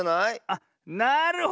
あっなるほど。